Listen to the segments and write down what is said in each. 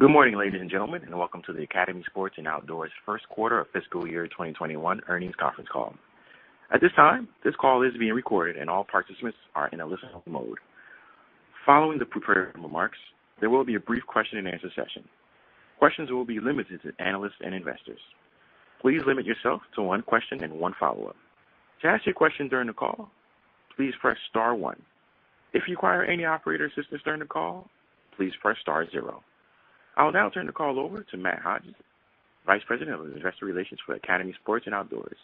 Good morning, ladies and gentlemen, and welcome to the Academy Sports + Outdoors Q1 of FY 2021 earnings conference call. At this time, this call is being recorded and all participants are in a listen mode. Following the prepared remarks, there will be a brief question-and-answer session. Questions will be limited to analysts and investors. Please limit yourself to one question and one follow-up. To ask a question during the call, please press star one. If you require any operator assistance during the call, please press star zero. I will now turn the call over to Matt Hodges, Vice President of Investor Relations for Academy Sports + Outdoors.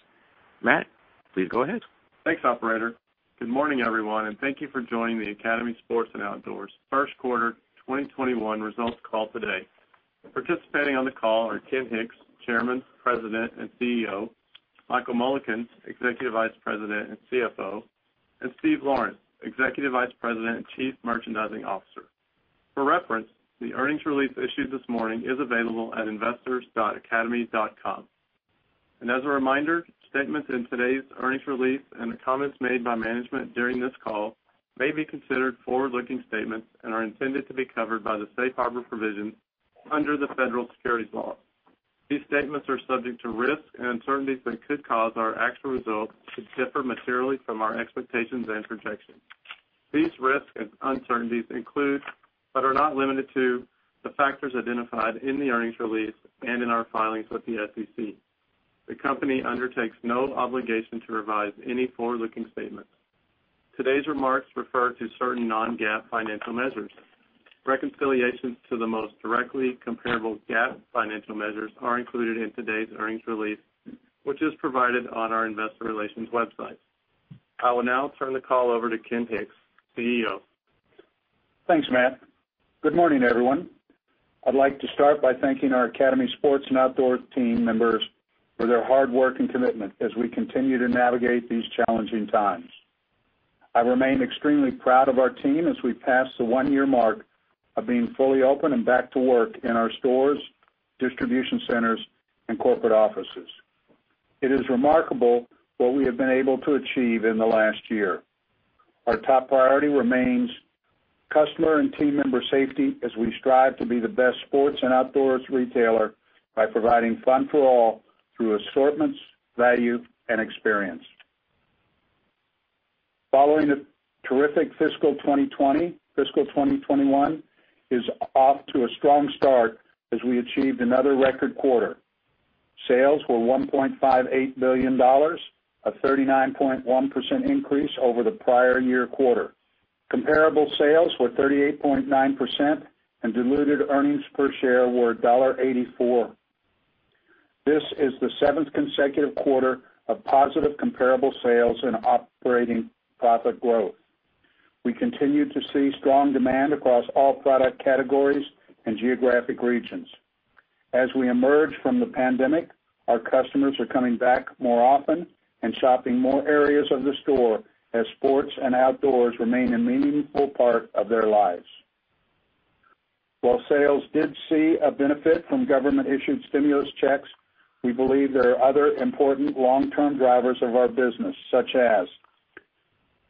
Matt, please go ahead. Thanks, operator. Good morning, everyone, and thank you for joining the Academy Sports + Outdoors Q1 2021 results call today. Participating on the call are Ken Hicks, Chairman, President, and CEO; Michael Mullican, Executive Vice President and CFO; and Steven Lawrence, Executive Vice President and Chief Merchandising Officer. For reference, the earnings release issued this morning is available at investors.academy.com. As a reminder, statements in today's earnings release and the comments made by management during this call may be considered forward-looking statements and are intended to be covered by the safe harbor provisions under the Federal Securities laws. These statements are subject to risks and uncertainties that could cause our actual results to differ materially from our expectations and projections. These risks and uncertainties include, but are not limited to, the factors identified in the earnings release and in our filings with the SEC. The company undertakes no obligation to revise any forward-looking statements. Today's remarks refer to certain non-GAAP financial measures. Reconciliations to the most directly comparable GAAP financial measures are included in today's earnings release, which is provided on our investor relations website. I will now turn the call over to Ken Hicks, CEO. Thanks, Matt. Good morning, everyone. I'd like to start by thanking our Academy Sports + Outdoors team members for their hard work and commitment as we continue to navigate these challenging times. I remain extremely proud of our team as we pass the one-year mark of being fully open and back to work in our stores, distribution centers, and corporate offices. It is remarkable what we have been able to achieve in the last year. Our top priority remains customer and team member safety as we strive to be the best sports and outdoors retailer by providing fun for all through assortments, value, and experience. Following a terrific fiscal 2020, fiscal 2021 is off to a strong start as we achieved another record quarter. Sales were $1.58 billion, a 39.1% increase over the prior year quarter. Comparable sales were 38.9%, diluted earnings per share were $1.84. This is the seventh consecutive quarter of positive comparable sales and operating profit growth. We continue to see strong demand across all product categories and geographic regions. As we emerge from the pandemic, our customers are coming back more often and shopping more areas of the store as sports and outdoors remain a meaningful part of their lives. While sales did see a benefit from government-issued stimulus checks, we believe there are other important long-term drivers of our business, such as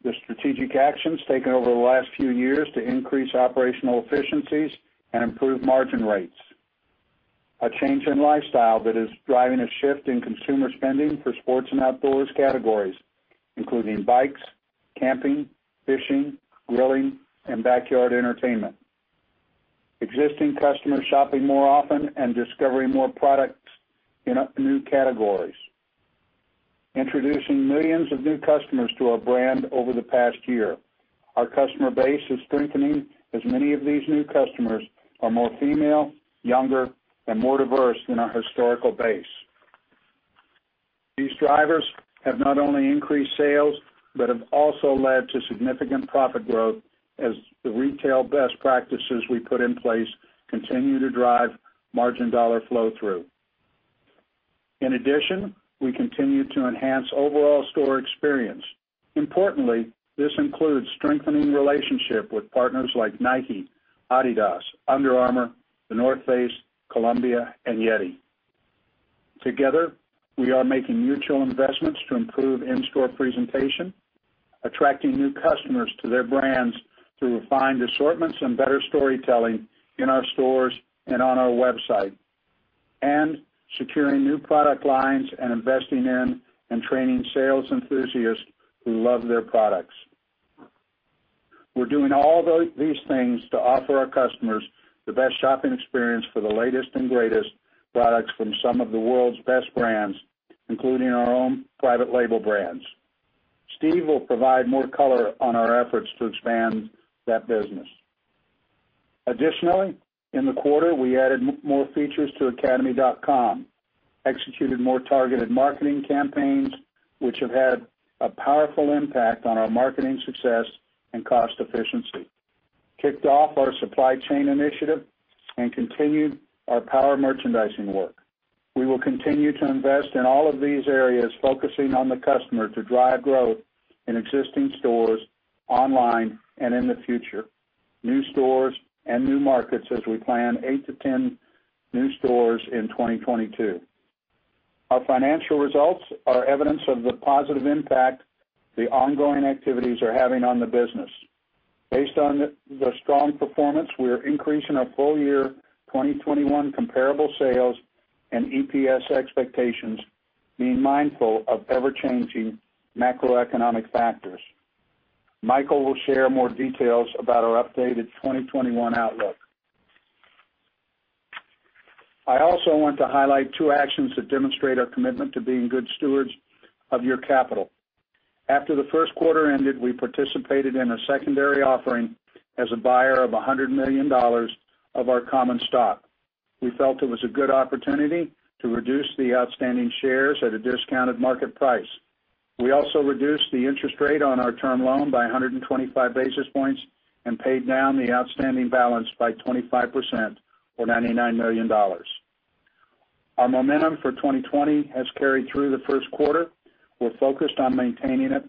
the strategic actions taken over the last few years to increase operational efficiencies and improve margin rates. A change in lifestyle that is driving a shift in consumer spending for sports and outdoors categories, including bikes, camping, fishing, grilling, and backyard entertainment. Existing customers shopping more often and discovering more products in new categories. Introducing millions of new customers to our brand over the past year. Our customer base is strengthening as many of these new customers are more female, younger, and more diverse than our historical base. These drivers have not only increased sales but have also led to significant profit growth as the retail best practices we put in place continue to drive margin dollar flow-through. In addition, we continue to enhance the overall store experience. Importantly, this includes strengthening relationships with partners like Nike, Adidas, Under Armour, The North Face, Columbia, and YETI. Together, we are making mutual investments to improve in-store presentation, attracting new customers to their brands through refined assortments and better storytelling in our stores and on our website, and securing new product lines and investing in and training sales enthusiasts who love their products. We're doing all these things to offer our customers the best shopping experience for the latest and greatest products from some of the world's best brands, including our own private label brands. Steven will provide more color on our efforts to expand that business. Additionally, in the quarter, we added more features to academy.com, executed more targeted marketing campaigns, which have had a powerful impact on our marketing success and cost efficiency, kicked off our supply chain initiative, and continued our power merchandising work. We will continue to invest in all of these areas, focusing on the customer to drive growth in existing stores, online, and in the future. New stores and new markets as we plan eight to 10 new stores in 2022. Our financial results are evidence of the positive impact the ongoing activities are having on the business. Based on the strong performance, we are increasing our full-year 2021 comparable sales and EPS expectations, being mindful of ever-changing macroeconomic factors. Michael will share more details about our updated 2021 outlook. I also want to highlight two actions that demonstrate our commitment to being good stewards of your capital. After the Q1 ended, we participated in a secondary offering as a buyer of $100 million of our common stock. We felt it was a good opportunity to reduce the outstanding shares at a discounted market price. We also reduced the interest rate on our term loan by 125 basis points and paid down the outstanding balance by 25%, or $99 million. Our momentum for 2020 has carried through the Q1. We're focused on maintaining it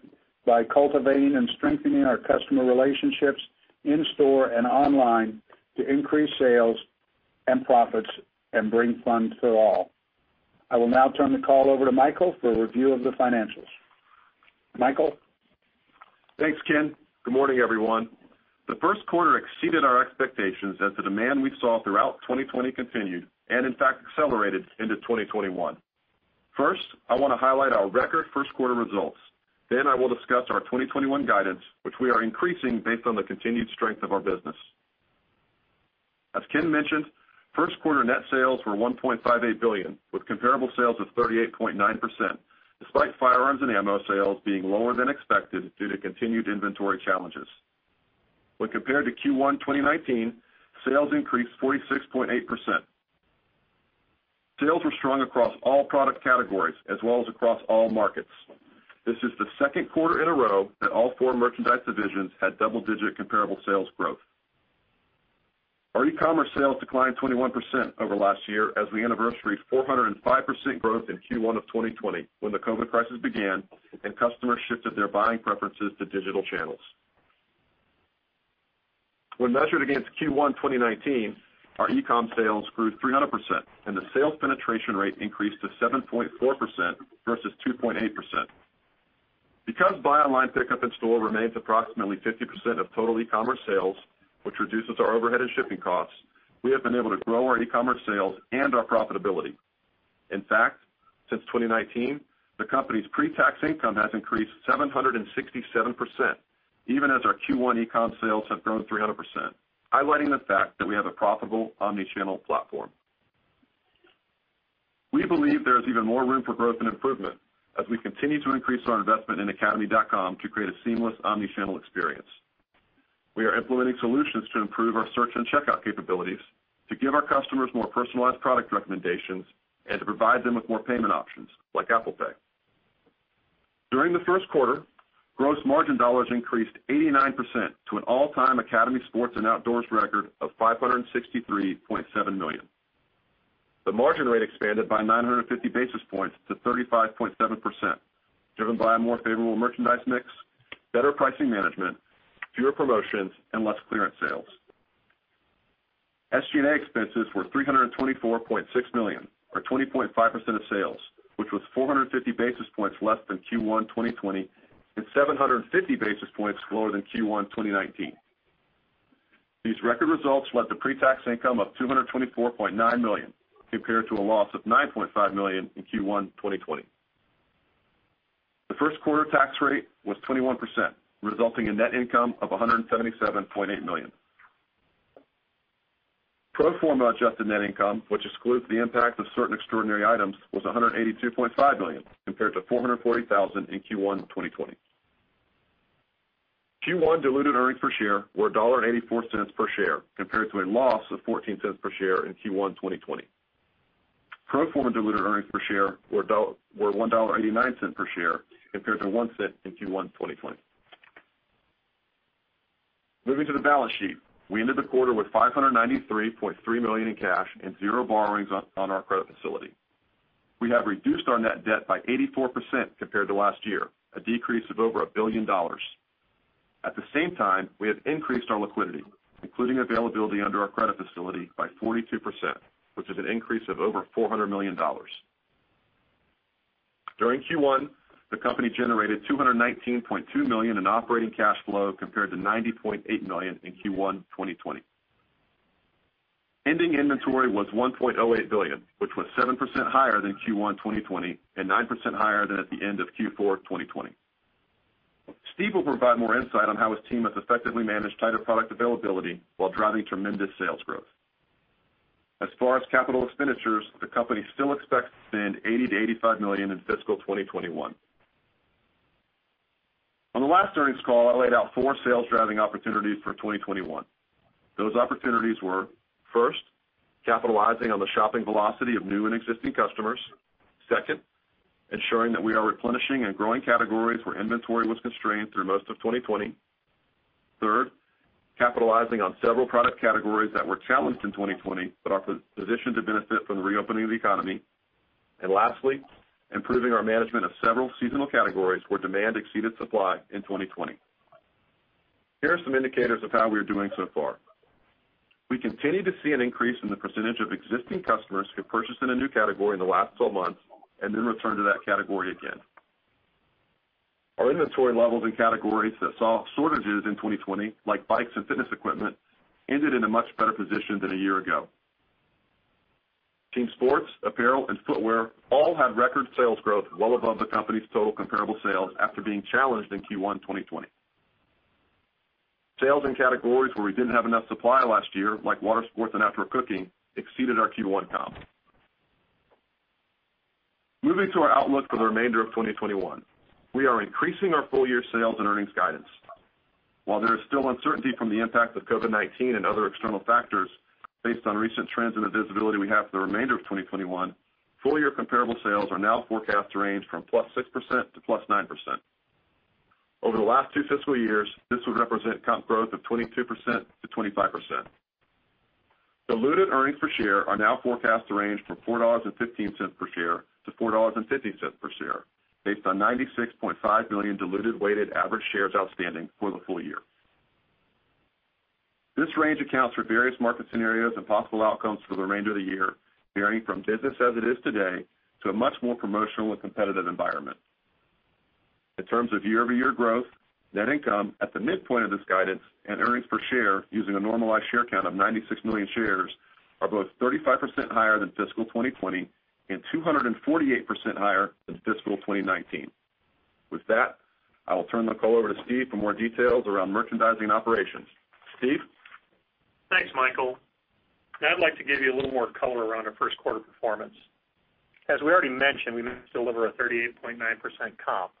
by cultivating and strengthening our customer relationships in store and online to increase sales and profits and bring fun to all. I will now turn the call over to Michael for a review of the financials. Michael? Thanks, Ken. Good morning, everyone. The Q1 exceeded our expectations as the demand we saw throughout 2020 continued, and in fact accelerated into 2021. I want to highlight our record Q1 results. I will discuss our 2021 guidance, which we are increasing based on the continued strength of our business. As Ken mentioned, Q1 net sales were $1.58 billion, with comparable sales of 38.9%, despite firearms and ammo sales being lower than expected due to continued inventory challenges. When compared to Q1 2019, sales increased 46.8%. Sales were strong across all product categories as well as across all markets. This is the Q2 in a row that all four merchandise divisions had double-digit comparable sales growth. Our e-commerce sales declined 21% over last year as we anniversary 405% growth in Q1 of 2020 when the COVID crisis began and customers shifted their buying preferences to digital channels. When measured against Q1 2019, our e-com sales grew 300%, and the sales penetration rate increased to 7.4% versus 2.8%. Because buy online pickup in store remains approximately 50% of total e-commerce sales, which reduces our overhead and shipping costs, we have been able to grow our e-commerce sales and our profitability. In fact, since 2019, the company's pre-tax income has increased 767%, even as our Q1 e-com sales have grown 300%, highlighting the fact that we have a profitable omnichannel platform. We believe there is even more room for growth and improvement as we continue to increase our investment in academy.com to create a seamless omnichannel experience. We are implementing solutions to improve our search and checkout capabilities, to give our customers more personalized product recommendations, and to provide them with more payment options, like Apple Pay. During the Q1, gross margin dollars increased 89% to an all-time Academy Sports + Outdoors record of $563.7 million. The margin rate expanded by 950 basis points to 35.7%, driven by a more favorable merchandise mix, better pricing management, fewer promotions, and less clearance sales. SG&A expenses were $324.6 million, or 20.5% of sales, which was 450 basis points less than Q1 2020, and 750 basis points lower than Q1 2019. These record results led to pre-tax income of $224.9 million, compared to a loss of $9.5 million in Q1 2020. The Q1 tax rate was 21%, resulting in net income of $177.8 million. Pro forma adjusted net income, which excludes the impact of certain extraordinary items, was $182.5 million, compared to $440,000 in Q1 2020. Q1 diluted earnings per share were $1.84 per share compared to a loss of $0.14 per share in Q1 2020. Pro forma diluted earnings per share were $1.89 per share compared to $0.01 in Q1 2020. Moving to the balance sheet. We ended the quarter with $593.3 million in cash and zero borrowings on our credit facility. We have reduced our net debt by 84% compared to last year, a decrease of over $1 billion. At the same time, we have increased our liquidity, including availability under our credit facility by 42%, which is an increase of over $400 million. During Q1, the company generated $219.2 million in operating cash flow compared to $90.8 million in Q1 2020. Ending inventory was $1.08 billion, which was 7% higher than Q1 2020 and 9% higher than at the end of Q4 2020. Steven Lawrence will provide more insight on how his team has effectively managed tighter product availability while driving tremendous sales growth. As far as capital expenditures, the company still expects to spend $80 million-$85 million in fiscal 2021. On the last earnings call, I laid out four sales-driving opportunities for 2021. Those opportunities were, first, capitalizing on the shopping velocity of new and existing customers. Second, ensuring that we are replenishing and growing categories where inventory was constrained through most of 2020. Third, capitalizing on several product categories that were challenged in 2020 but are positioned to benefit from the reopening of the economy. Lastly, improving our management of several seasonal categories where demand exceeded supply in 2020. Here are some indicators of how we are doing so far. We continue to see an increase in the percentage of existing customers who purchased in a new category in the last 12 months and then returned to that category again. Our inventory levels in categories that saw shortages in 2020, like bikes and fitness equipment, ended in a much better position than a year ago. Team sports, apparel, and footwear all had record sales growth well above the company's total comparable sales after being challenged in Q1 2020. Sales in categories where we didn't have enough supply last year, like water sports and outdoor cooking, exceeded our Q1 comps. Moving to our outlook for the remainder of 2021, we are increasing our full-year sales and earnings guidance. While there is still uncertainty from the impact of COVID-19 and other external factors, based on recent trends and the visibility we have for the remainder of 2021, full year comparable sales are now forecast to range from +6%-+9%. Over the last two fiscal years, this would represent comp growth of 22%-25%. Diluted earnings per share are now forecast to range from $4.15 per share-$4.50 per share, based on 96.5 million diluted weighted average shares outstanding for the full year. This range accounts for various market scenarios and possible outcomes for the remainder of the year, varying from business as it is today to a much more promotional and competitive environment. In terms of year-over-year growth, net income at the midpoint of this guidance and earnings per share using a normalized share count of 96 million shares are both 35% higher than fiscal 2020 and 248% higher than fiscal 2019. With that, I will turn the call over to Steven for more details around merchandising operations. Steven? Thanks, Michael. I'd like to give you a little more color around our Q1 performance. As we already mentioned, we delivered a 38.9% comp.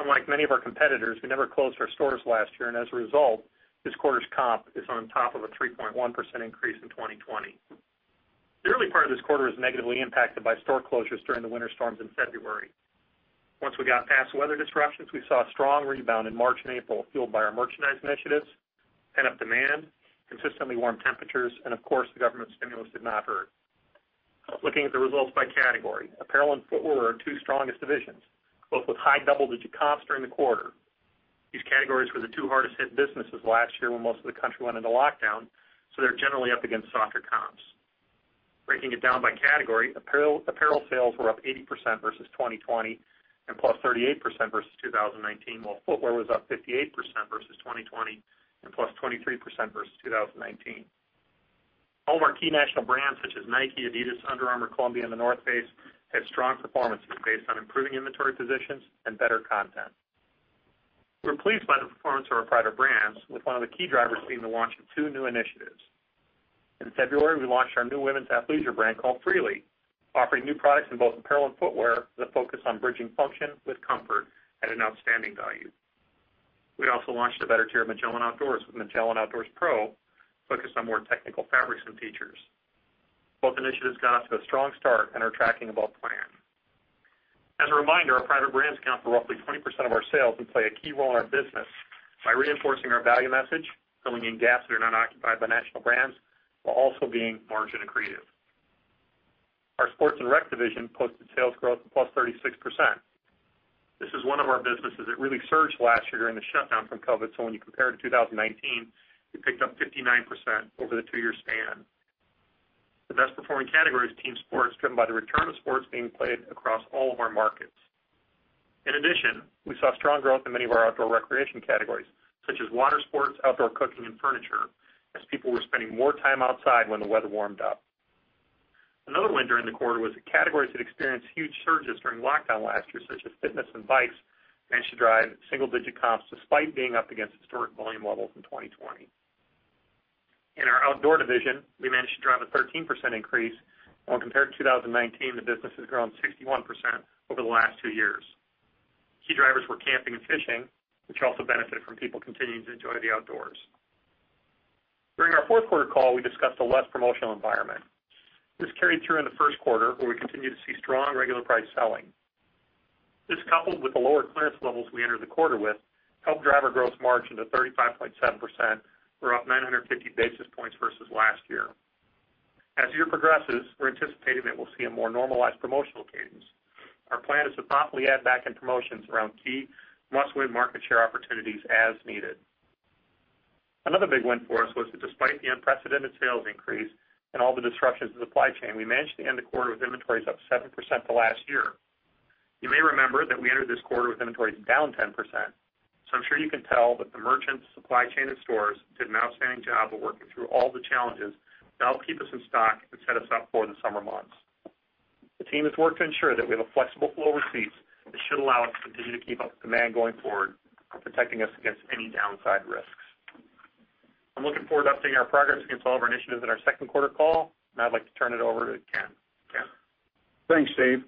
Unlike many of our competitors, we never closed our stores last year. As a result, this quarter's comp is on top of a 3.1% increase in 2020. The early part of this quarter was negatively impacted by store closures during the winter storms in February. Once we got past the weather disruptions, we saw a strong rebound in March and April, fueled by our merchandise initiatives, pent-up demand, consistently warm temperatures, of course, the government stimulus did not hurt. Looking at the results by category, apparel and footwear are our two strongest divisions, both with high double-digit comps during the quarter. These categories were the two hardest hit businesses last year when most of the country went into lockdown, so they're generally up against softer comps. Breaking it down by category, apparel sales were up 80% versus 2020 and +38% versus 2019, while footwear was up 58% versus 2020 and +23% versus 2019. All of our key national brands, such as Nike, Adidas, Under Armour, Columbia, and The North Face, had strong performances based on improving inventory positions and better content. We're pleased by the performance of our private brands, with one of the key drivers being the launch of two new initiatives. In February, we launched our new women's athleisure brand called Freely, offering new products in both apparel and footwear that focus on bridging function with comfort and an outstanding value. We also launched a better tier of Magellan Outdoors with Magellan Outdoors Pro, focused on more technical fabrics and features. Both initiatives got off to a strong start and are tracking above plan. As a reminder, our private brands count for roughly 20% of our sales and play a key role in our business by reinforcing our value message, filling in gaps that are not occupied by national brands, while also being margin accretive. Our sports and rec division posted sales growth of +36%. This is one of our businesses that really surged last year during the shutdown from COVID, so when you compare to 2019, we picked up 59% over the two-year span. The best performing category is team sports, driven by the return of sports being played across all of our markets. In addition, we saw strong growth in many of our outdoor recreation categories, such as water sports, outdoor cooking, and furniture, as people were spending more time outside when the weather warmed up. Another win during the quarter was the categories that experienced huge surges during lockdown last year, such as fitness and bikes, managed to drive single-digit comps despite being up against historic volume levels in 2020. In our outdoor division, we managed to drive a 13% increase, while compared to 2019, the business has grown 61% over the last two years. Key drivers were camping and fishing, which also benefit from people continuing to enjoy the outdoors. During our fourth quarter call, we discussed a less promotional environment. This carried through in the Q1, where we continued to see strong regular price selling. This, coupled with the lower clearance levels we entered the quarter with, helped drive our gross margin to 35.7%, or up 950 basis points versus last year. As the year progresses, we're anticipating that we'll see a more normalized promotional cadence. Our plan is to thoughtfully add back in promotions around key must-win market share opportunities as needed. Another big win for us was that despite the unprecedented sales increase and all the disruptions in the supply chain, we managed to end the quarter with inventories up 7% to last year. You may remember that we entered this quarter with inventories down 10%, so I'm sure you can tell that the merchants, supply chain, and stores did an outstanding job of working through all the challenges that will keep us in stock to set us up for the summer months. The team has worked to ensure that we have a flexible flow of receipts that should allow us the ability to keep up with demand going forward, protecting us against any downside risks. I'm looking forward to updating our progress against all of our initiatives in our second quarter call. I'd like to turn it over to Ken. Ken? Thanks, Steven.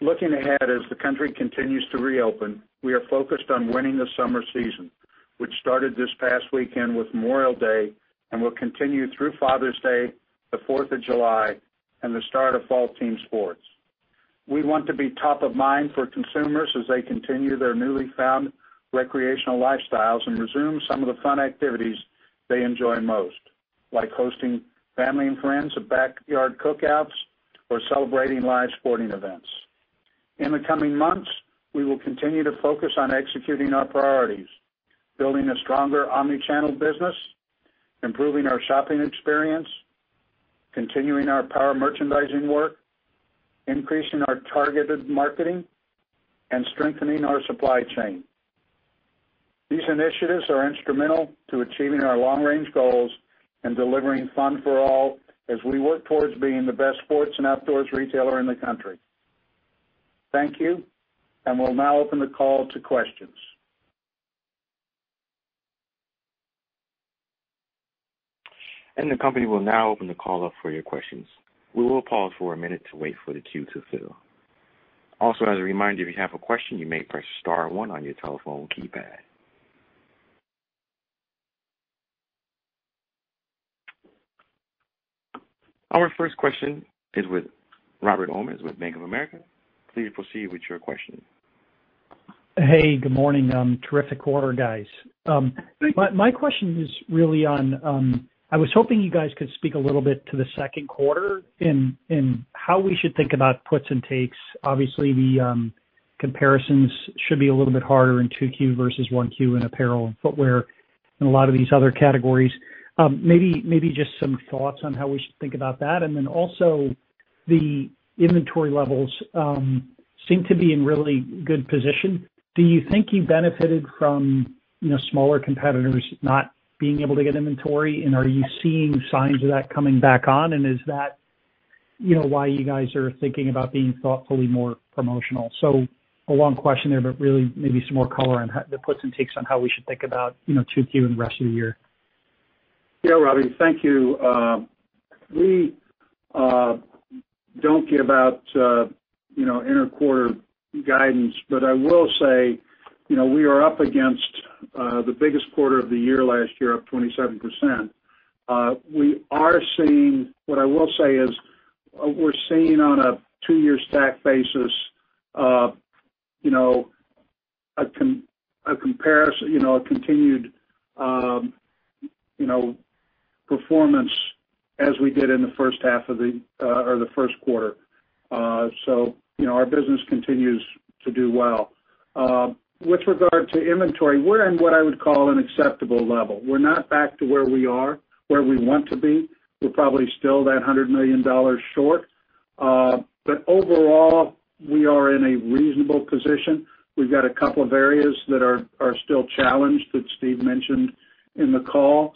Looking ahead, as the country continues to reopen, we are focused on winning the summer season, which started this past weekend with Memorial Day and will continue through Father's Day, the Fourth of July, and the start of fall team sports. We want to be top of mind for consumers as they continue their newly found recreational lifestyles and resume some of the fun activities they enjoy most, like hosting family and friends at backyard cookouts or celebrating live sporting events. In the coming months, we will continue to focus on executing our priorities, building a stronger omni-channel business, improving our shopping experience, continuing our power merchandising work, increasing our targeted marketing, and strengthening our supply chain. These initiatives are instrumental to achieving our long-range goals and delivering fun for all as we work towards being the best sports and outdoors retailer in the country. Thank you. We'll now open the call to questions. The company will now open the call up for your questions. We will pause for a minute to wait for the queue to fill. Also, as a reminder, if you have a question, you may press star one on your telephone keypad. Our first question is with Robert Ohmes with Bank of America. Please proceed with your question. Hey, good morning. Terrific quarter, guys. Thank you. I was hoping you guys could speak a little bit to the second quarter and how we should think about puts and takes. The comparisons should be a little bit harder in 2Q versus 1Q in apparel and footwear, and a lot of these other categories. Maybe just some thoughts on how we should think about that. The inventory levels seem to be in really good position. Do you think you benefited from smaller competitors not being able to get inventory, and are you seeing signs of that coming back on? Is that why you guys are thinking about being thoughtfully more promotional? A long question there, really maybe some more color on the puts and takes on how we should think about 2Q and the rest of the year. Yeah, Robbie. Thank you. We don't give out inter-quarter guidance. I will say, we are up against the biggest quarter of the year last year, up 27%. What I will say is, we're seeing on a two-year stack basis a continued performance as we did in the Q1. Our business continues to do well. With regard to inventory, we're in what I would call an acceptable level. We're not back to where we want to be. We're probably still that $100 million short. Overall, we are in a reasonable position. We've got a couple of areas that are still challenged that Steven mentioned in the call.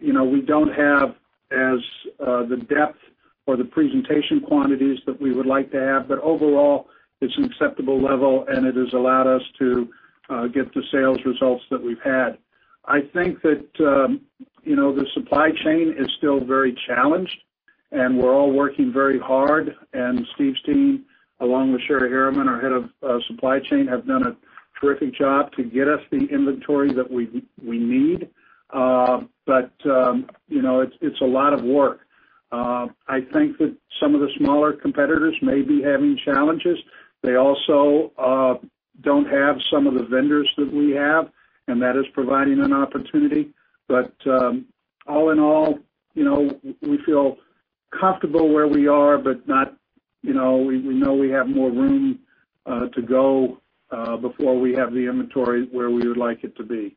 We don't have as the depth or the presentation quantities that we would like to have. Overall, it's an acceptable level. It has allowed us to get the sales results that we've had. I think that the supply chain is still very challenged, we're all working very hard. Steven's team, along with Sherry Harriman, our head of supply chain, have done a terrific job to get us the inventory that we need. It's a lot of work. I think that some of the smaller competitors may be having challenges. They also don't have some of the vendors that we have, and that is providing an opportunity. All in all, we feel comfortable where we are, but we know we have more room to go before we have the inventory where we would like it to be.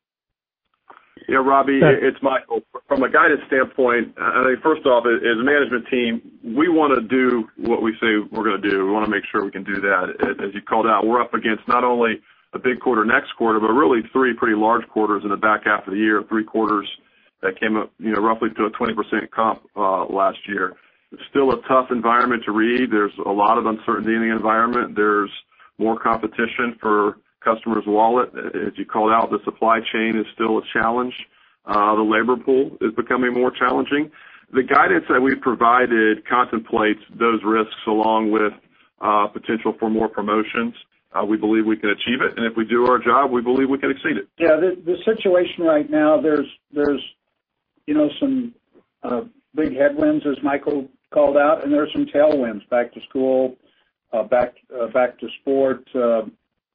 Yeah, Robbie, it's Michael. From a guidance standpoint, I think first off, as a management team, we want to do what we say we're going to do. We want to make sure we can do that. As you called out, we're up against not only a big quarter next quarter, but really three pretty large quarters in the back half of the year. Three quarters that came up roughly to a 20% comp last year. It's still a tough environment to read. There's a lot of uncertainty in the environment. There's more competition for customers' wallet. As you called out, the supply chain is still a challenge. The labor pool is becoming more challenging. The guidance that we've provided contemplates those risks, along with potential for more promotions. We believe we can achieve it, and if we do our job, we believe we can exceed it. Yeah. The situation right now, there's some big headwinds, as Michael called out, and there are some tailwinds. Back to school, back to sports,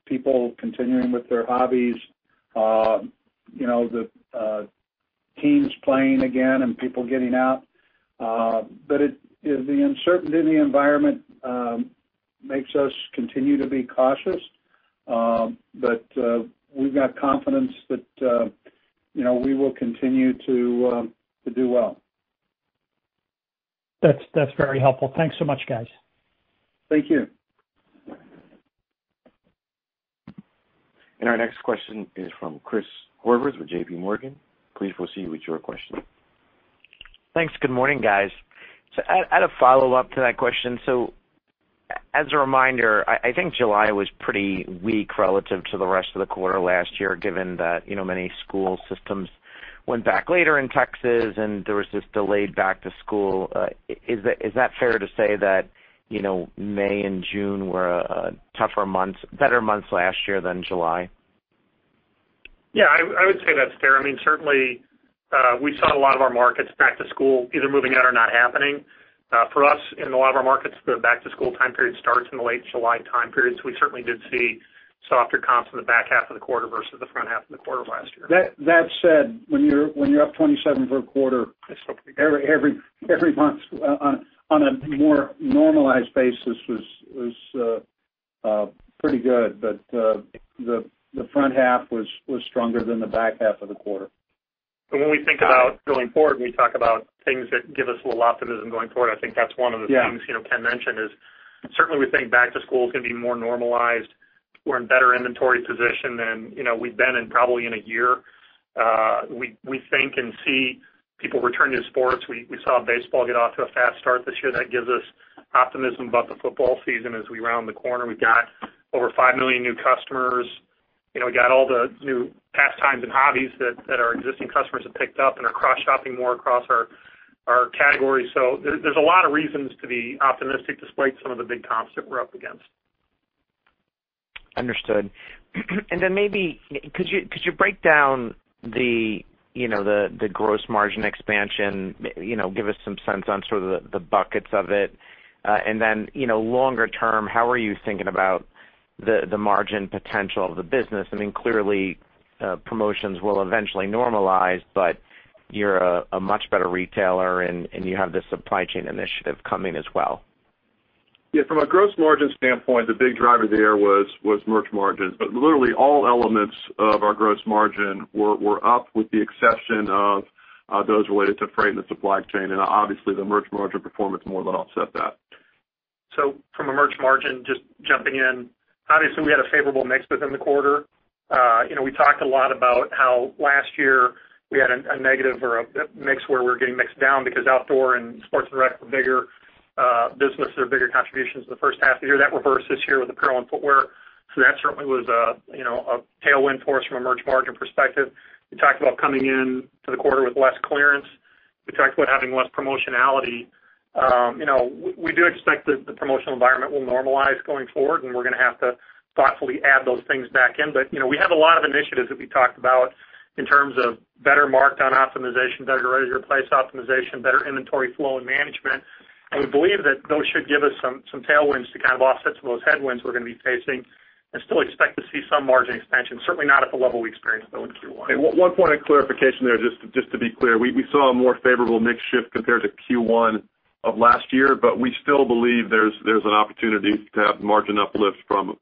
people continuing with their hobbies, the teams playing again and people getting out. The uncertainty in the environment makes us continue to be cautious. We've got confidence that we will continue to do well. That's very helpful. Thanks so much, guys. Thank you. Our next question is from Christopher Horvers with JPMorgan. Please proceed with your question. Thanks. Good morning, guys. I had a follow-up to that question. As a reminder, I think July was pretty weak relative to the rest of the quarter last year, given that many school systems went back later in Texas and there was this delayed back to school. Is that fair to say that May and June were tougher months, better months last year than July? Yeah, I would say that's fair. Certainly, we saw a lot of our markets back to school either moving out or not happening. For us, in a lot of our markets, the back to school time period starts in the late July time period. We certainly did see Softer comps in the back half of the quarter versus the front half of the quarter last year. That said, when you're up 27% for a quarter. Yes. Every month on a more normalized basis was pretty good. The front half was stronger than the back half of the quarter. When we think about going forward, we talk about things that give us a little optimism going forward. Yeah Ken mentioned is certainly we think back to school is going to be more normalized. We're in better inventory position than we've been in probably in a year. We think and see people returning to sports. We saw baseball get off to a fast start this year. That gives us optimism about the football season as we round the corner. We've got over five million new customers. We got all the new pastimes and hobbies that our existing customers have picked up and are cross-shopping more across our categories. There's a lot of reasons to be optimistic despite some of the big comps that we're up against. Understood. Maybe could you break down the gross margin expansion, give us some sense on sort of the buckets of it. Longer term, how are you thinking about the margin potential of the business? Clearly, promotions will eventually normalize, but you're a much better retailer and you have this supply chain initiative coming as well. Yeah, from a gross margin standpoint, the big driver there was merch margins. Literally all elements of our gross margin were up, with the exception of those related to freight and the supply chain. Obviously the merch margin performance more than offset that. From a merch margin, just jumping in, obviously we had a favorable mix within the quarter. We talked a lot about how last year we had a negative or a mix where we were getting mixed down because outdoor and sports and rec were bigger business or bigger contributions in the first half of the year. That reversed this year with apparel and footwear. That certainly was a tailwind for us from a merch margin perspective. We talked about coming into the quarter with less clearance. We talked about having less promotionality. We do expect that the promotional environment will normalize going forward, and we're going to have to thoughtfully add those things back in. We have a lot of initiatives that we talked about in terms of better markdown optimization, better ready to replace optimization, better inventory flow and management. We believe that those should give us some tailwinds to kind of offset some of those headwinds we're going to be facing and still expect to see some margin expansion. Certainly not at the level we experienced, though, in Q1. One point of clarification there, just to be clear, we saw a more favorable mix shift compared to Q1 of last year, but we still believe there's an opportunity to have margin uplift from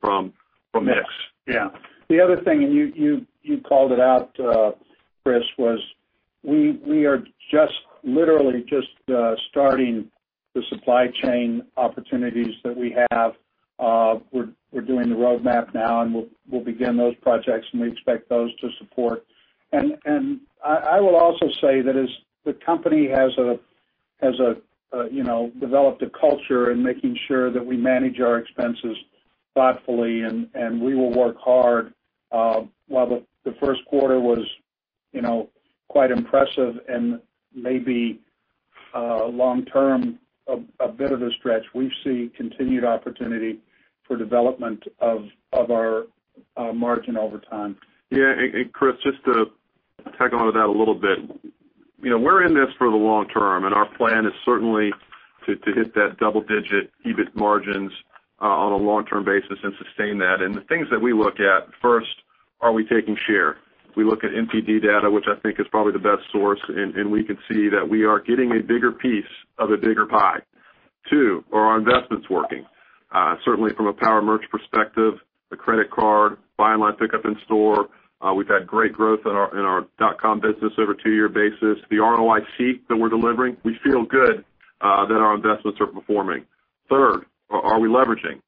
mix. Yeah. The other thing, and you called it out, Chris, was we are literally just starting the supply chain opportunities that we have. We're doing the roadmap now, and we'll begin those projects, and we expect those to support. I will also say that as the company has developed a culture in making sure that we manage our expenses thoughtfully, and we will work hard. While the Q1 was quite impressive and maybe long term, a bit of a stretch, we see continued opportunity for development of our margin over time. Yeah, Christopher Horvers, just to tag onto that a little bit. We're in this for the long term, and our plan is certainly to hit that double-digit EBIT margins on a long-term basis and sustain that. The things that we look at, first, are we taking share? We look at NPD data, which I think is probably the best source, and we can see that we are getting a bigger piece of a bigger pie. Two, are our investments working? Certainly from a power merch perspective, the credit card, buy online, pickup in store. We've had great growth in our dotcom business over a two-year basis. The ROI that we're delivering, we feel good that our investments are performing. Third, are we leveraging?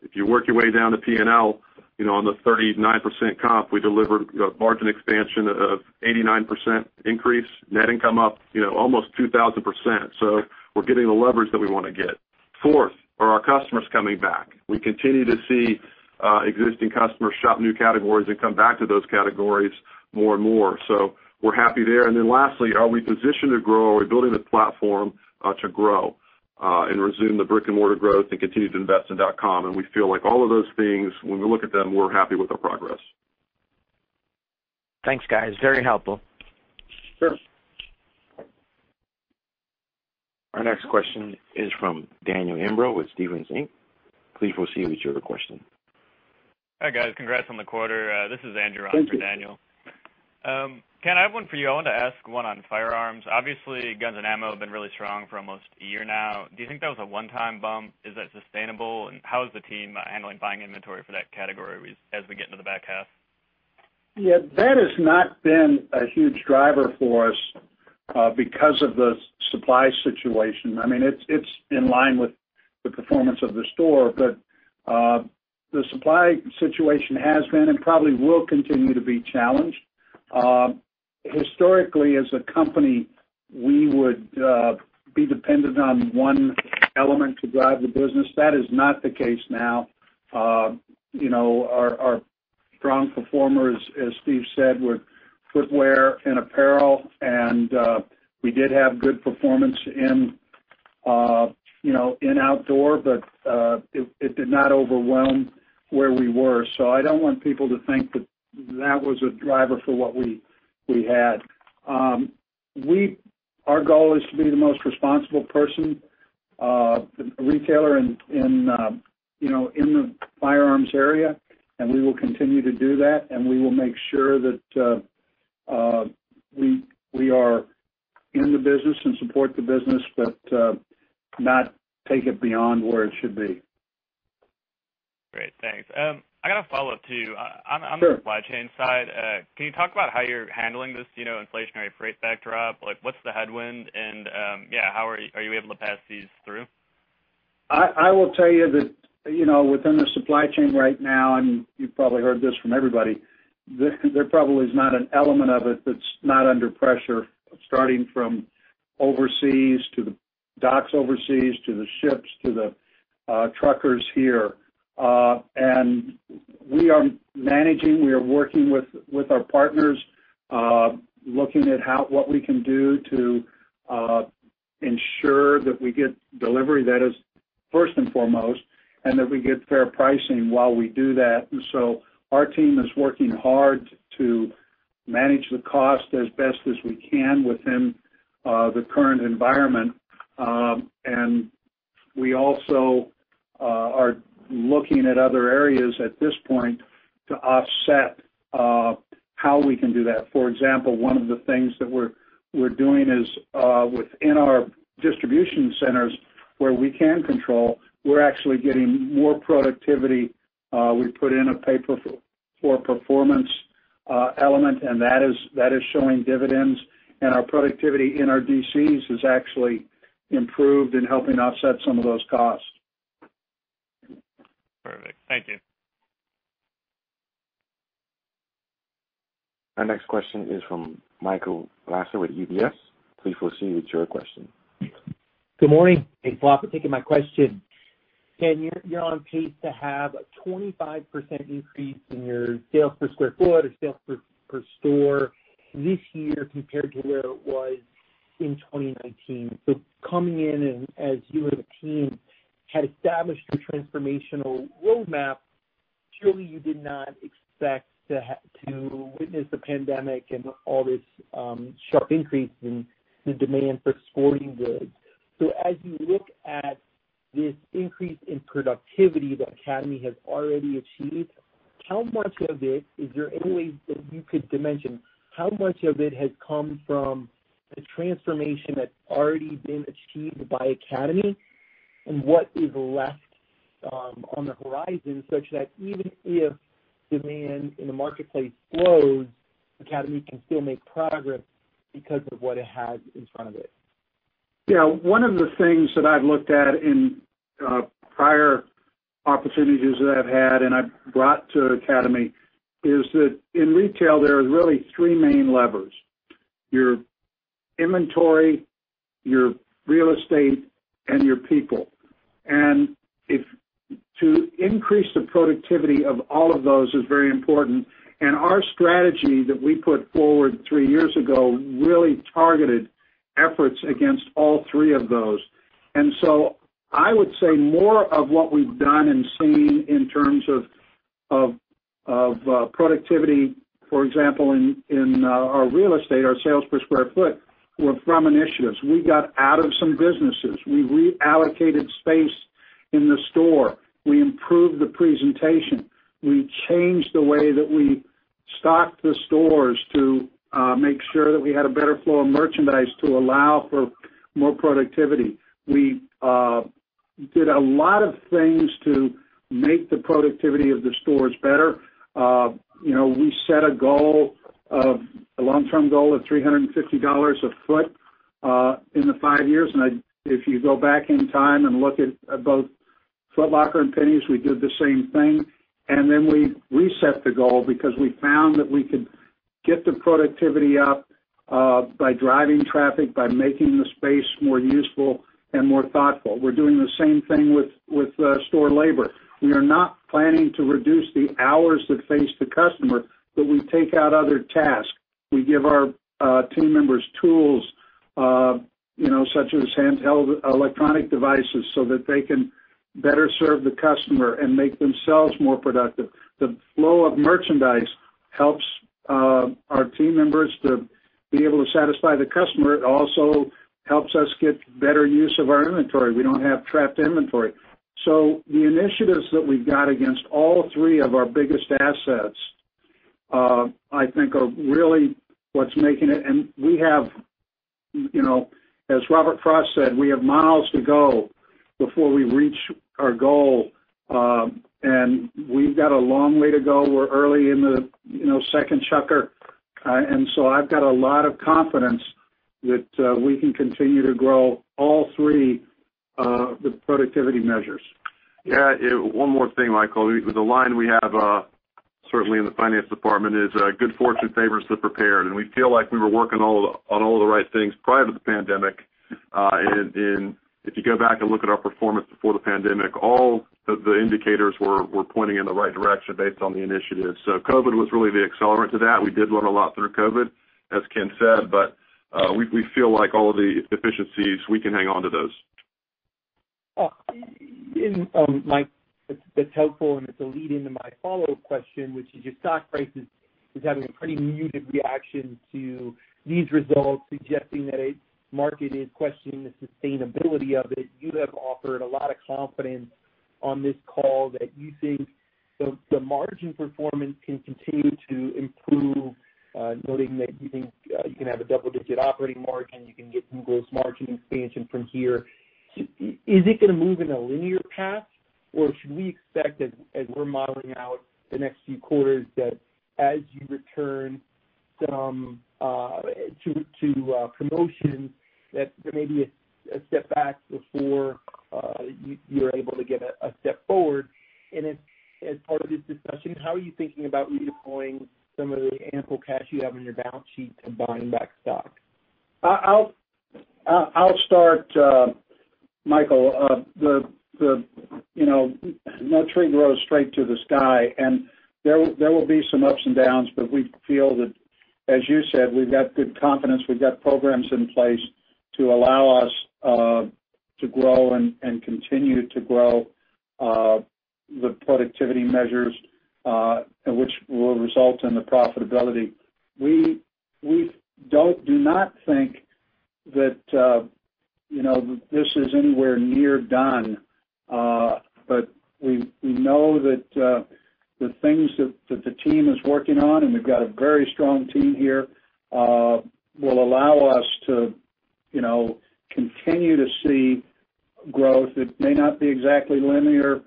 If you work your way down to P&L, on the 39% comp, we delivered a margin expansion of 89% increase. Net income up almost 2,000%. We're getting the leverage that we want to get. Fourth, are our customers coming back? We continue to see existing customers shop new categories and come back to those categories more and more. We're happy there. Lastly, are we positioned to grow? Are we building the platform to grow and resume the brick-and-mortar growth and continue to invest in dotcom? We feel like all of those things, when we look at them, we're happy with the progress. Thanks, guys. Very helpful. Sure. Our next question is from Daniel Imbro with Stephens Inc. Please proceed with your question. Hi, guys. Congrats on the quarter. This is Andrew on for Daniel. Ken, I have one for you. I wanted to ask one on firearms. Obviously, guns and ammo have been really strong for almost a year now. Do you think that was a one-time bump? Is that sustainable? How is the team handling buying inventory for that category as we get into the back half? Yeah, that has not been a huge driver for us because of the supply situation. It's in line with the performance of the store, but the supply situation has been and probably will continue to be challenged. Historically, as a company, we would be dependent on one element to drive the business. That is not the case now. Our strong performers, as Steven P. Lawrence said, were footwear and apparel, and we did have good performance in outdoor, but it did not overwhelm where we were. I don't want people to think that was a driver for what we had. Our goal is to be the most responsible person retailer in the firearms area, and we will continue to do that, and we will make sure that we are in the business and support the business, but not take it beyond where it should be. Great. Thanks. I got a follow-up too. Sure. On the supply chain side, can you talk about how you're handling this inflationary freight backdrop? What's the headwind, and are you able to pass these through? I will tell you that within the supply chain right now, and you've probably heard this from everybody, there probably is not an element of it that's not under pressure, starting from overseas to the docks overseas, to the ships, to the truckers here. We are managing, we are working with our partners, looking at what we can do to ensure that we get delivery, that is first and foremost, and that we get fair pricing while we do that. Our team is working hard to manage the cost as best as we can within the current environment. We also are looking at other areas at this point to offset how we can do that. For example, one of the things that we're doing is within our distribution centers where we can control, we're actually getting more productivity. We put in a pay for performance element, and that is showing dividends. Our productivity in our DCs has actually improved in helping offset some of those costs. Perfect. Thank you. Our next question is from Michael Lasser with UBS. Please proceed with your question. Good morning. Thanks a lot for taking my question. Ken, you're on pace to have a 25% increase in your sales per square foot or sales per store this year compared to where it was in 2019. Coming in and as you and the team had established the transformational roadmap, surely you did not expect to witness a pandemic and all this sharp increase in the demand for sporting goods. As you look at this increase in productivity that Academy has already achieved, how much of it, is there any way that you could dimension how much of it has come from the transformation that's already been achieved by Academy, and what is left on the horizon such that even if demand in the marketplace slows, Academy can still make progress because of what it has in front of it? Yeah. One of the things that I've looked at in prior opportunities that I've had and I've brought to Academy is that in retail, there are really three main levers, your inventory, your real estate, and your people. To increase the productivity of all of those is very important. Our strategy that we put forward three years ago really targeted efforts against all three of those. I would say more of what we've done and seen in terms of productivity, for example, in our real estate, our sales per square foot, were from initiatives. We got out of some businesses. We reallocated space in the store. We improved the presentation. We changed the way that we stock the stores to make sure that we had a better flow of merchandise to allow for more productivity. We did a lot of things to make the productivity of the stores better. We set a long-term goal of $350 a foot in the five years. If you go back in time and look at both Foot Locker and JCPenney, we did the same thing. Then we reset the goal because we found that we could get the productivity up by driving traffic, by making the space more useful and more thoughtful. We're doing the same thing with store labor. We are not planning to reduce the hours that face the customer, but we take out other tasks. We give our team members tools such as handheld electronic devices so that they can better serve the customer and make themselves more productive. The flow of merchandise helps our team members to be able to satisfy the customer. It also helps us get better use of our inventory. We don't have trapped inventory. The initiatives that we've got against all three of our biggest assets, I think are really what's making it. As Robert Frost said, we have miles to go before we reach our goal. We've got a long way to go. We're early in the second chapter. I've got a lot of confidence that we can continue to grow all three with productivity measures. One more thing, Michael. The line we have certainly in the finance department is good fortune favors the prepared. We feel like we were working on all the right things prior to the pandemic. If you go back and look at our performance before the pandemic, all the indicators were pointing in the right direction based on the initiatives. COVID was really the accelerant to that. We did learn a lot through COVID, as Ken said. We feel like all the efficiencies, we can hang on to those. Mike, that's helpful. It's a lead into my follow-up question, which is your stock price is having a pretty muted reaction to these results, suggesting that a market is questioning the sustainability of it. You have offered a lot of confidence on this call that you think the margin performance can continue to improve, noting that you think you can have a double-digit operating margin, you can get some gross margin expansion from here. Is it going to move in a linear path, should we expect as we're modeling out the next few quarters, that as you return to promotion, that there may be a step back before you're able to get a step forward? As part of this discussion, how are you thinking about redeploying some of the ample cash you have on your balance sheet to buying back stock? I'll start, Michael. No tree grows straight to the sky, and there will be some ups and downs, but we feel that, as you said, we've got good confidence. We've got programs in place to allow us to grow and continue to grow the productivity measures, which will result in the profitability. We do not think that this is anywhere near done. We know that the things that the team is working on, and we've got a very strong team here, will allow us to continue to see growth that may not be exactly linear.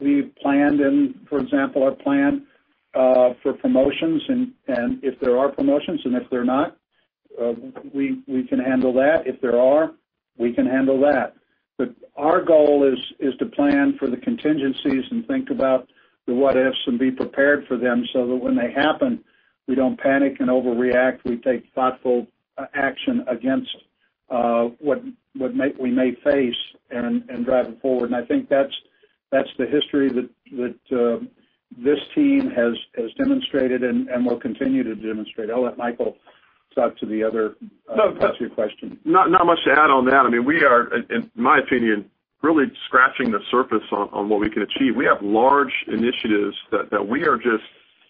We've planned and, for example, our plan for promotions and if there are promotions and if they're not, we can handle that. If there are, we can handle that. Our goal is to plan for the contingencies and think about the what-ifs and be prepared for them so that when they happen, we don't panic and overreact. We take thoughtful action against what we may face and drive it forward. I think that's the history that this team has demonstrated and will continue to demonstrate. I'll let Michael talk to the other parts of your question. Not much to add on that. We are, in my opinion, really scratching the surface on what we can achieve. We have large initiatives that we are just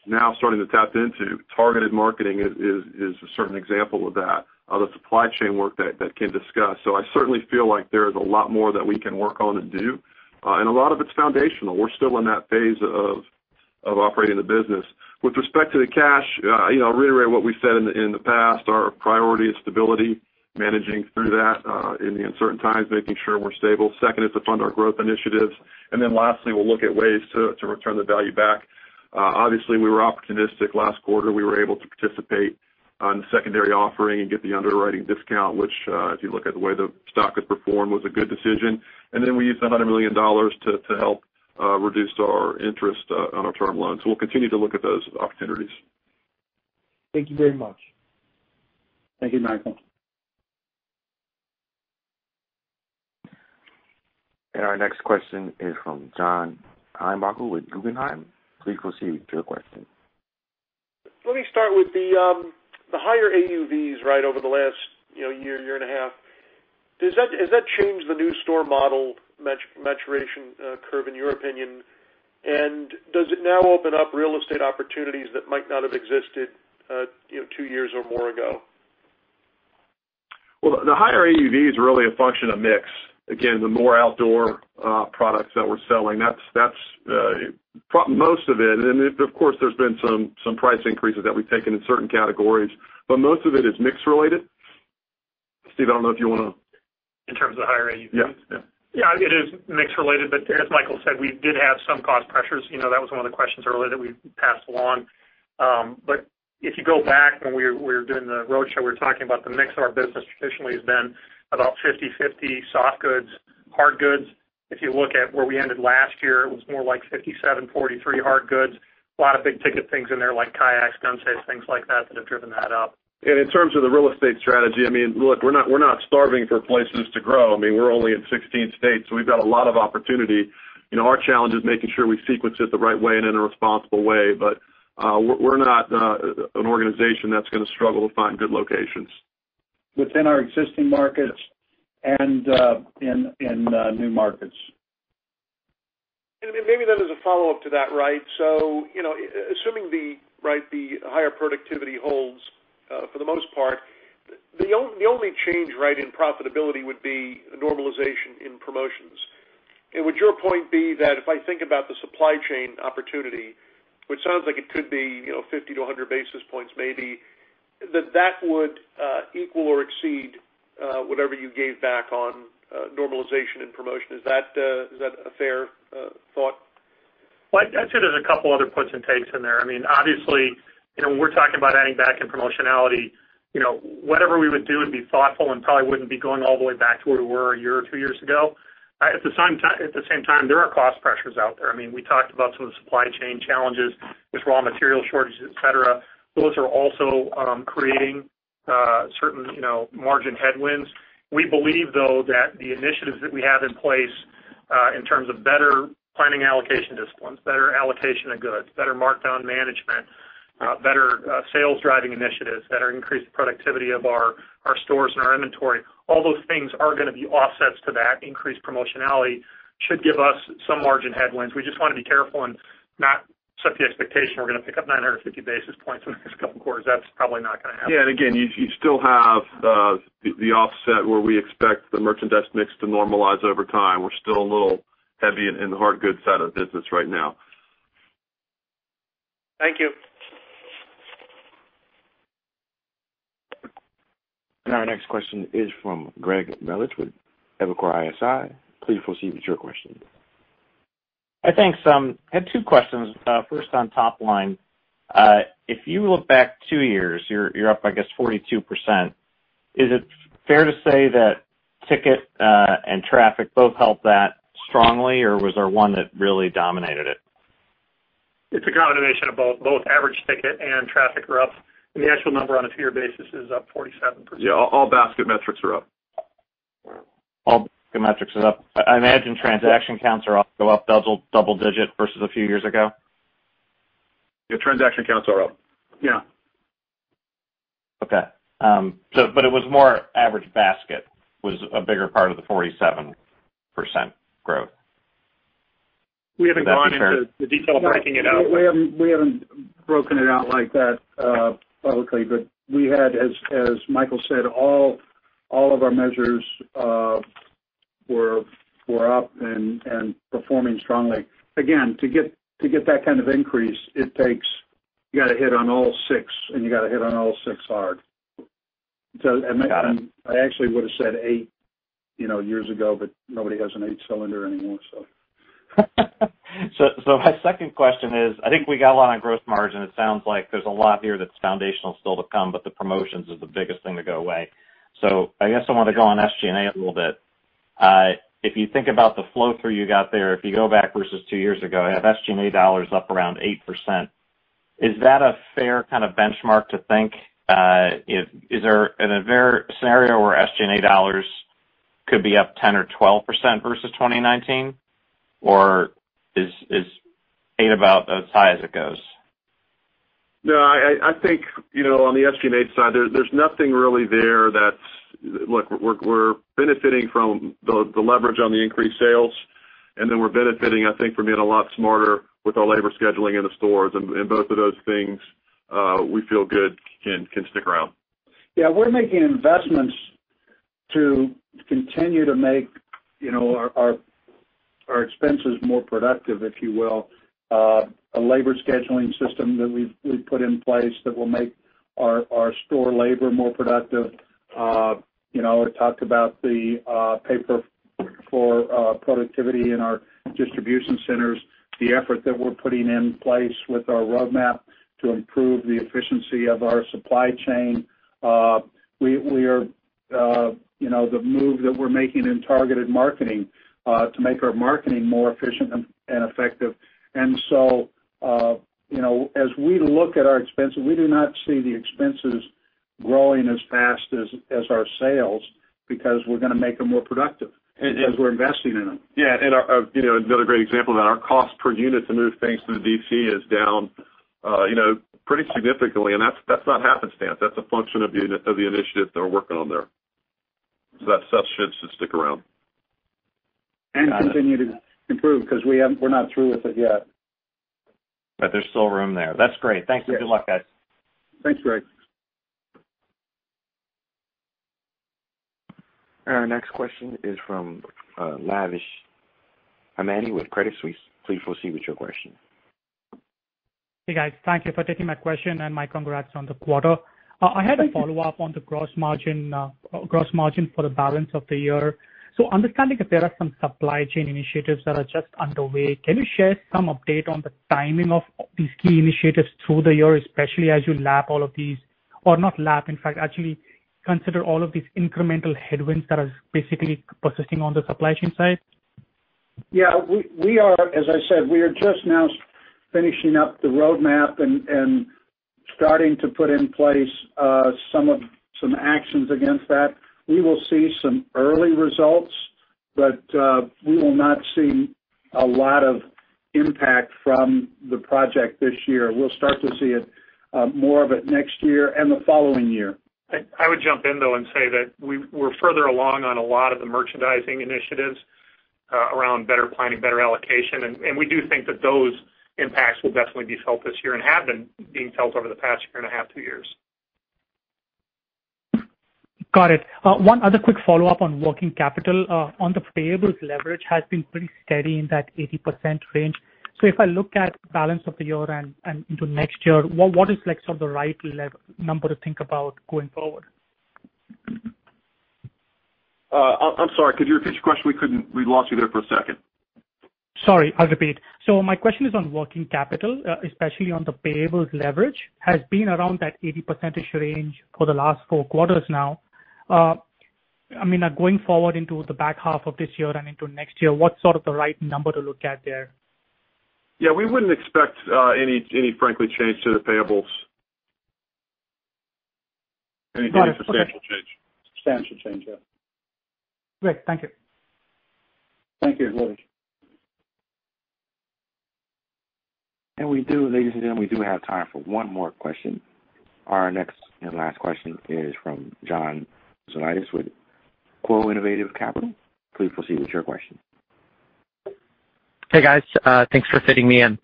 now starting to tap into. Targeted marketing is a certain example of that. The supply chain work that Ken discussed. I certainly feel like there is a lot more that we can work on and do. A lot of it's foundational. We're still in that phase of operating the business. With respect to the cash, I reiterate what we said in the past. Our priority is stability, managing through that in the uncertain times, making sure we're stable. Second is to fund our growth initiatives. Then lastly, we'll look at ways to return the value back. Obviously, we were opportunistic last quarter. We were able to participate on the secondary offering and get the underwriting discount, which, if you look at the way the stock has performed, was a good decision. We used the $100 million to help reduce our interest on our term loans. We'll continue to look at those opportunities. Thank you very much. Thank you, Michael. Our next question is from John Heinbockel with Guggenheim. Please proceed with your question. Let me start with the higher AUVs over the last year and a half. Has that changed the new store model maturation curve, in your opinion? Does it now open up real estate opportunities that might not have existed two years or more ago? Well, the higher AUV is really a function of mix. Again, the more outdoor products that we're selling, that's most of it. Of course, there's been some price increases that we've taken in certain categories, but most of it is mix-related. Steven, I don't know if you want to. In terms of higher AUV? Yeah. Yeah, it is mix-related, but as Michael said, we did have some cost pressures. That was one of the questions earlier that we passed along. If you go back when we were doing the roadshow, we were talking about the mix of our business traditionally has been about 50/50 soft goods, hard goods. If you look at where we ended last year, it was more like 57/43 hard goods. A lot of big-ticket things in there like kayaks, gun safes, things like that have driven that up. In terms of the real estate strategy, look, we're not starving for places to grow. We're only in 16 states, we've got a lot of opportunity. Our challenge is making sure we sequence it the right way and in a responsible way. We're not an organization that's going to struggle to find good locations. Within our existing markets and in new markets. Maybe then as a follow-up to that. Assuming the higher productivity holds for the most part, the only change in profitability would be a normalization in promotions. Would your point be that if I think about the supply chain opportunity, which sounds like it could be 50 to 100 basis points, maybe, that that would equal or exceed whatever you gave back on normalization and promotion? Is that a fair thought? Well, I'd say there's a couple other puts and takes in there. When we're talking about adding back in promotionality, whatever we would do would be thoughtful and probably wouldn't be going all the way back to where we were a year or two years ago. At the same time, there are cost pressures out there. We talked about some of the supply chain challenges with raw material shortages, et cetera. Those are also creating certain margin headwinds. We believe, though, that the initiatives that we have in place in terms of better planning allocation disciplines, better allocation of goods, better markdown management, better sales driving initiatives, better increased productivity of our stores and our inventory, all those things are going to be offsets to that increased promotionality. Should give us some margin headwinds. We just want to be careful and not set the expectation we're going to pick up 950 basis points over these couple quarters. That's probably not going to happen. Again, you still have the offset where we expect the merchandise mix to normalize over time. We're still a little heavy in the hard goods side of the business right now. Thank you. Our next question is from Greg Melich with Evercore ISI. Please proceed with your question. Hi, thanks. I have two questions. First on top line. If you look back two years, you're up, I guess, 42%. Is it fair to say that ticket and traffic both helped that strongly, or was there one that really dominated it? It's a combination of both average ticket and traffic were up. The actual number on a pure basis is up 47%. Yeah, all basket metrics are up. All basket metrics are up. I imagine transaction counts go up double digit versus a few years ago. Yeah, transaction counts are up. Yeah. Okay. It was more average basket was a bigger part of the 47% growth. Long-term. We haven't gotten to the detail of breaking it out. We haven't broken it out like that publicly, but we had, as Michael said, all of our measures were up and performing strongly. Again, to get that kind of increase, you got to hit on all six and you got to hit on all six hard. I actually would've said eight years ago, but nobody has an eight-cylinder anymore. My second question is, I think we got a lot on gross margin. It sounds like there's a lot here that's foundational still to come, but the promotions is the biggest thing to go away. I guess I want to go on SG&A a little bit. If you think about the flow through you got there, if you go back versus two years ago, you have SG&A dollars up around 8%. Is that a fair kind of benchmark to think, is there a scenario where SG&A dollars could be up 10% or 12% versus 2019? Is eight about as high as it goes? No, I think, on the SG&A side, there's nothing really there. We're benefiting from the leverage on the increased sales. Then we're benefiting, I think, from being a lot smarter with our labor scheduling in the stores. Both of those things, we feel good can stick around. Yeah, we're making investments to continue to make our expenses more productive, if you will. A labor scheduling system that we put in place that will make our store labor more productive. We talked about the CapEx for productivity in our distribution centers, the effort that we're putting in place with our roadmap to improve the efficiency of our supply chain. The move that we're making in targeted marketing to make our marketing more efficient and effective. As we look at our expenses, we do not see the expenses growing as fast as our sales because we're going to make them more productive as we're investing in them. Another great example there, our cost per unit to move things to the DC is down pretty significantly, and that's not happenstance. That's a function of the initiatives that are working on there. That shift should stick around. Continue to improve because we're not through with it yet. There's still room there. That's great. Thanks. Good luck, guys. Thanks, Greg. Our next question is from Lavish Aman with Credit Suisse. Please proceed with your question. Hey, guys. Thank you for taking my question and my congrats on the quarter. I have a follow-up on the gross margin for the balance of the year. Understanding that there are some supply chain initiatives that are just underway, can you share some update on the timing of these key initiatives through the year, especially as you lap all of these, or not lap, in fact, actually consider all of these incremental headwinds that are basically persisting on the supply chain side? As I said, we are just now finishing up the roadmap and starting to put in place some actions against that. We will see some early results, but we will not see a lot of impact from the project this year. We'll start to see more of it next year and the following year. I would jump in, though, and say that we're further along on a lot of the merchandising initiatives around better planning, better allocation. We do think that those impacts will definitely be felt this year and have been being felt over the past year and a half, two years. Got it. One other quick follow-up on working capital. On the payables leverage has been pretty steady in that 80% range. If I look at balance of the year and into next year, what is the right number to think about going forward? I'm sorry. Could you repeat the question? We lost you there for a second. Sorry, I'll repeat. My question is on working capital, especially on the payables leverage, has been around that 80% range for the last four quarters now. Going forward into the back half of this year and into next year, what's sort of the right number to look at there? Yeah, we wouldn't expect any, frankly, change to the payables. Anything but substantial change. Substantial change, yeah. Great. Thank you. Thank you. We do, ladies and gentlemen, we do have time for one more question. Our next and last question is from John Zonis with BMO Capital Markets. Please proceed with your question. Hey, guys. Thanks for fitting me in.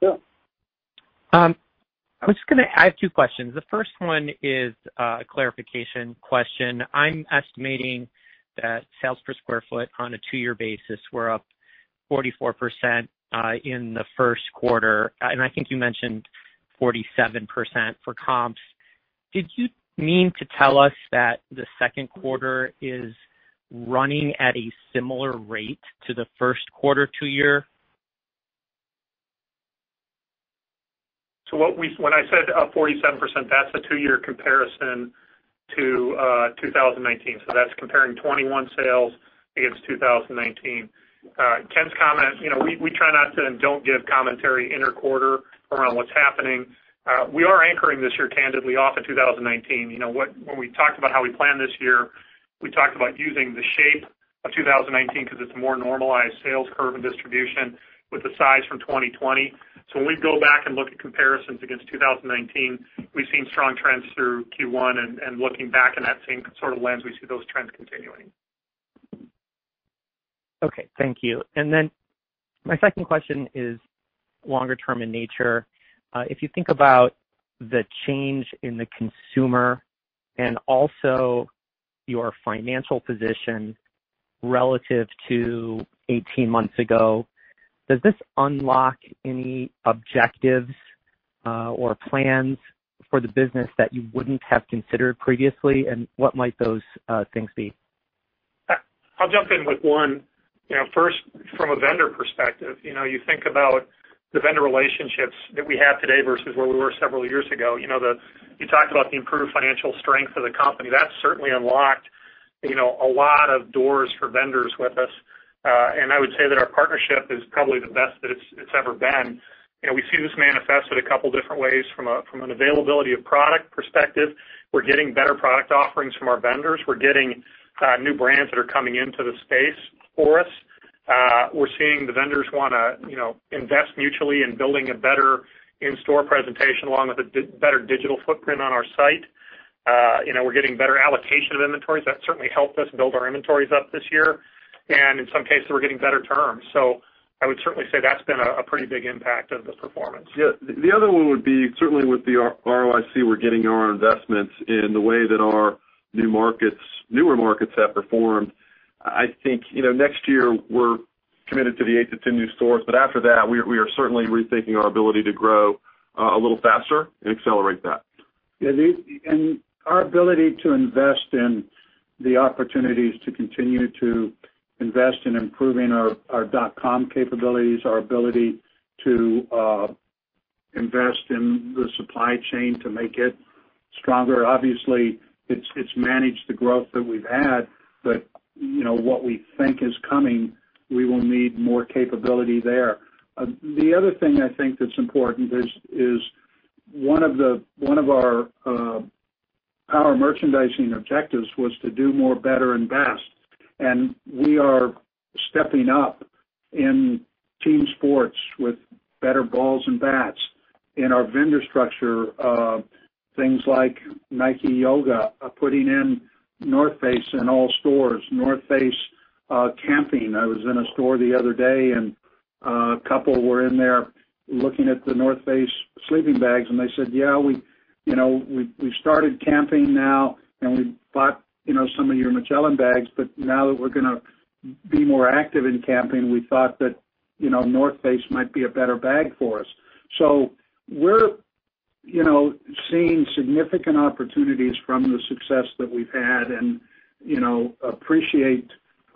Yeah. I have two questions. The first one is a clarification question. I'm estimating that sales per square foot on a two-year basis were up 44% in the Q1, and I think you mentioned 47% for comps. Did you mean to tell us that the Q2 is running at a similar rate to the Q1 two-year? When I said up 47%, that's a two-year comparison to 2019. That's comparing 2021 sales against 2019. Ken's comment, we try not to and don't give commentary inter-quarter around what's happening. We are anchoring this year candidly off of 2019. When we talked about how we planned this year, we talked about using the shape of 2019 because it's a more normalized sales curve and distribution with the size from 2020. When we go back and look at comparisons against 2019, we've seen strong trends through Q1, and looking back in that same sort of lens, we see those trends continuing. Okay. Thank you. My second question is longer term in nature. If you think about the change in the consumer and also your financial position relative to 18 months ago, does this unlock any objectives or plans for the business that you wouldn't have considered previously? What might those things be? I'll jump in with one. First, from a vendor perspective, you think about the vendor relationships that we have today versus where we were several years ago. You talked about the improved financial strength of the company. That's certainly unlocked a lot of doors for vendors with us. I would say that our partnership is probably the best that it's ever been. We see this manifested a couple different ways. From an availability of product perspective, we're getting better product offerings from our vendors. We're getting new brands that are coming into the space for us. We're seeing the vendors want to invest mutually in building a better in-store presentation, along with a better digital footprint on our site. We're getting better allocation of inventories. That certainly helped us build our inventories up this year. In some cases, we're getting better terms. I would certainly say that's been a pretty big impact of the performance. Yeah. The other one would be certainly with the ROIC, we're getting our investments in the way that our newer markets have performed. I think next year we're committed to the eight to 10 new stores, after that, we are certainly rethinking our ability to grow a little faster and accelerate that. Yeah, and our ability to invest in the opportunities to continue to invest in improving our .com capabilities, our ability to invest in the supply chain to make it stronger. Obviously, it's managed the growth that we've had, but what we think is coming, we will need more capability there. The other thing I think that's important is one of our merchandising objectives was to do more, better, and best. We are stepping up in team sports with better balls and bats. In our vendor structure, things like Nike Yoga, putting in North Face in all stores, North Face camping. I was in a store the other day, and a couple were in there looking at the North Face sleeping bags, and they said, "Yeah, we've started camping now, and we bought some of your Magellan bags. Now that we're going to be more active in camping, we thought that The North Face might be a better bag for us. We're seeing significant opportunities from the success that we've had and appreciate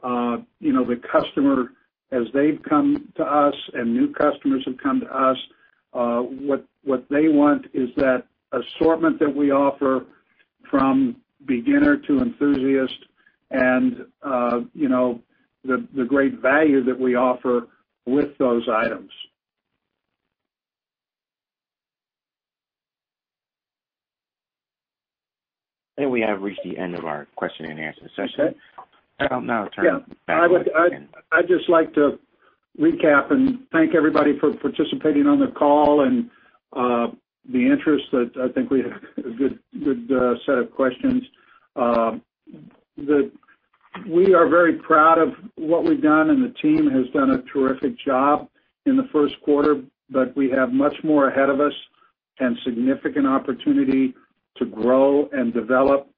the customer as they've come to us and new customers have come to us. What they want is that assortment that we offer from beginner to enthusiast and the great value that we offer with those items. I think we have reached the end of our question and answer session. I'll now turn it back to Ken. Yeah. I'd just like to recap and thank everybody for participating on the call and the interest that I think we had a good set of questions. We are very proud of what we've done, and the team has done a terrific job in the Q1, but we have much more ahead of us and significant opportunity to grow and develop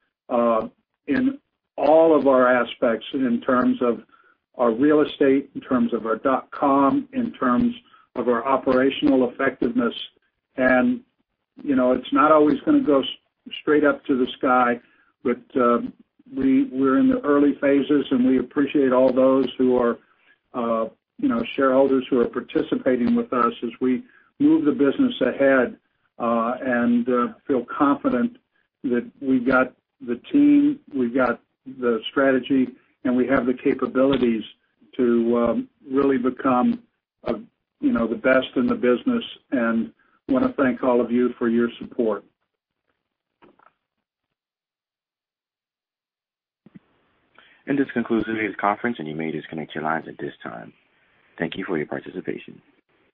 in all of our aspects in terms of our real estate, in terms of our .com, in terms of our operational effectiveness. It's not always going to go straight up to the sky, but we're in the early phases, and we appreciate all those who are shareholders who are participating with us as we move the business ahead and feel confident that we've got the team, we've got the strategy, and we have the capabilities to really become the best in the business, and want to thank all of you for your support. This concludes today's conference, and you may disconnect your lines at this time. Thank you for your participation.